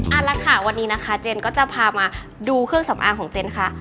เอาละค่ะวันนี้นะคะเจนก็จะพามาดูเครื่องสำอางของเจนค่ะ